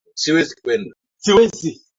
Maji yamejaa